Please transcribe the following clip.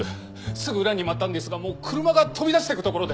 すぐ裏に回ったんですがもう車が飛び出していくところで。